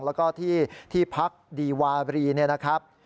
แล้วก็ที่พักดีวารีนะครับ